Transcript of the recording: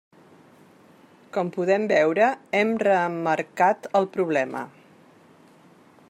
Com podem veure, hem reemmarcat el problema.